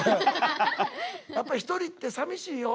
やっぱ一人ってさみしいよ。